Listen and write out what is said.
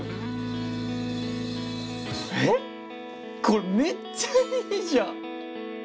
これめっちゃいいじゃん。